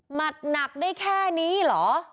หมัดหนักได้แค่นี้หรอ